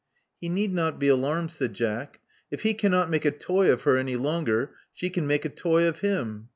He need not be alarmed," said Jack. If he can not make a toy of her any longer, she can make a toy of him.